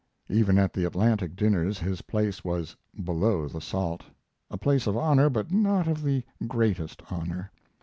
Even at the Atlantic dinners his place was "below the salt" a place of honor, but not of the greatest honor.